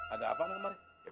ada apa pak kemar